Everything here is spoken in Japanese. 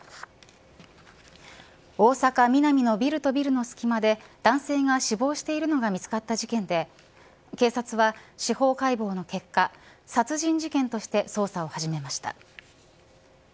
大阪、ミナミのビルとビルの隙間で男性が死亡しているのが見つかった事件で警察は司法解剖の結果殺人事件として捜査を始めました。